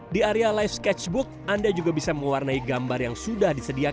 di area live sketchbook anda juga bisa mewarnai gambar yang sudah disediakan